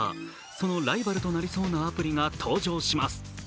そのライバルとなりそうなアプリが登場します。